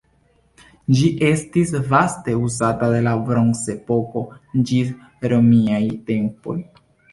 Ĝi estis vaste uzata de la bronzepoko ĝis romiaj tempoj.